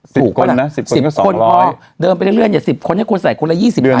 สิบคนนะสิบคนก็สองร้อยเดินไปเรื่อยเรื่อยอย่าสิบคนให้คุณใส่คนละยี่สิบบาท